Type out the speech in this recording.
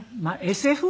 ＳＦ？